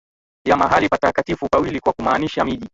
ya mahali patakatifu pawili kwa kumaanisha miji